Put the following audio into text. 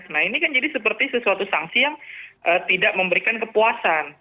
nah ini kan jadi seperti sesuatu sanksi yang tidak memberikan kepuasan